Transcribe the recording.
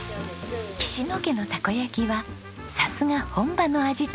岸野家のたこ焼きはさすが本場の味と評判。